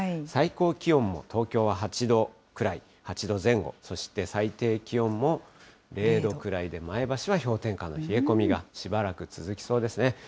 最高気温も東京は８度くらい、８度前後、そして最低気温も０度くらいで、前橋は氷点下の冷え込みがしばらく続きそうですね。